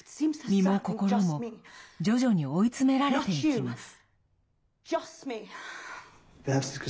身も心も徐々に追い詰められていきます。